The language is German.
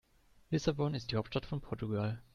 Lissabon ist die Hauptstadt von Portugal.